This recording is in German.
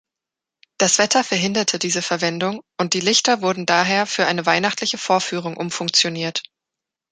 Das Wetter verhinderte diese Verwendung, und die Lichter wurden daher für eine weihnachtliche Vorführung umfunktioniert.